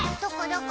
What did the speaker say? どこ？